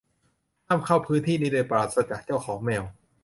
ห้ามเข้าพื้นที่นี้โดยปราศจากเจ้าของแมว